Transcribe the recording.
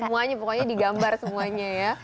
semuanya pokoknya digambar semuanya ya